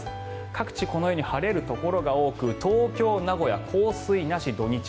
各地このように晴れるところが多く東京、名古屋降水なし、土日。